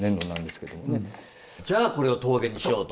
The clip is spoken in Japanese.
じゃあこれを陶芸にしようと？